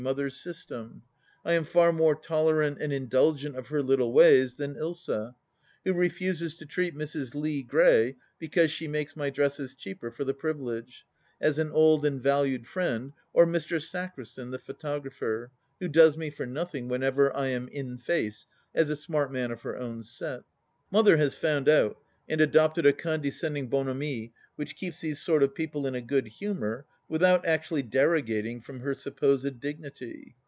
Mother's system. I am far more tolerant and indulgent of her little ways than Ilsa, who refuses to treat Mrs. Lee Gray, because she makes my dresses cheaper for the privilege, as an old and valued friend, or Mr. Sacristan the photographer, who does me for nothing whenever I am " in face," as a smart man of her own set. Mother has found out and adopted a condescending bonhomie which keeps these sort of people in a good humour without actually derogating from her supposed dignity.